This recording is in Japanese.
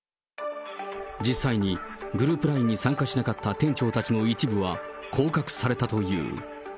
実際にグループＬＩＮＥに参加しなかった店長たちの一部は降格されたという。